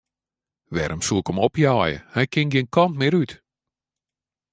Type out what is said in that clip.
Wêrom soe ik him opjeie, hy kin gjin kant mear út.